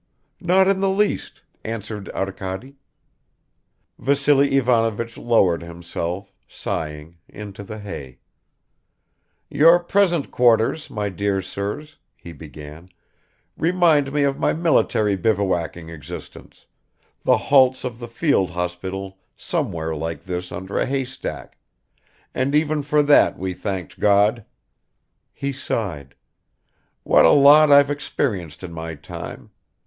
"Not in the least," answered Arkady. Vassily Ivanovich lowered himself, sighing, into the hay. "Your present quarters, my dear sirs," he began, "remind me of my military bivouacking existence, the halts of the field hospital somewhere like this under a haystack and even for that we thanked God." He sighed. "What a lot I've experienced in my time.